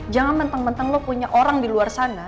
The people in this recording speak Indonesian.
jangan menteng menteng lo punya orang di luar sana